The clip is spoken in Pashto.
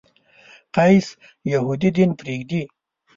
قیس یهودي دین پرېږدي.